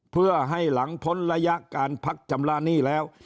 เพื่อให้หลังพ้นระยะการพักชำระหนี้แล้ว